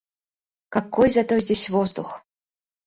Какой зато здесь воздух!